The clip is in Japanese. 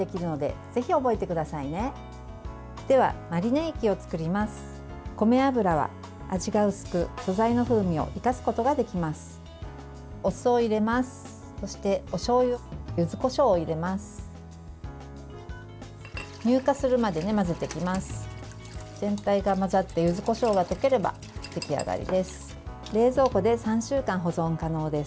全体が混ざってゆずこしょうが溶ければ出来上がりです。